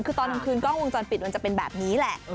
คือตอนกล้องวงจรติ๊ดมันจะเป็นแบบนี้แหละ